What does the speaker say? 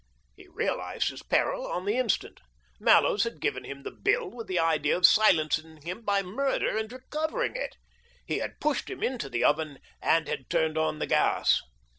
He realised his peril on the instant. Mallows had given him the bill with the idea of silencing him by murder and recovering it. He had pushed him into the oven and had turned on the gas.